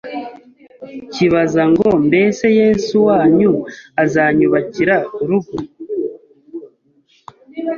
kibaza ngo mbese Yesu wanyu azanyubakira urugo